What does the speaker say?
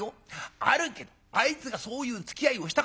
あるけどあいつがそういうつきあいをしたかってえの。